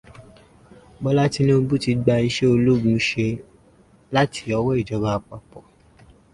Bọ́lá Tinúbú ti gba iṣẹ́ ológun ṣe láti ọwọ́ ìjọba àpapọ̀